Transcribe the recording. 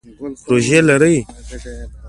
پروژی لرئ؟